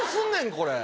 これ。